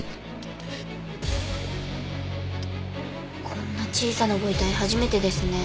こんな小さなご遺体初めてですね。